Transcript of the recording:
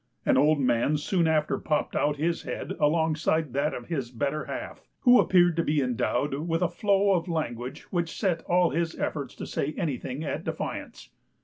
An old man soon after popped out his head alongside that of his better half, who appeared to be endowed with a flow of language which set all his efforts to say anything at defiance.